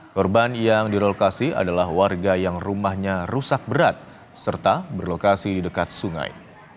korban yang direlokasi adalah warga yang rumahnya rusak berat serta berlokasi di dekat sungai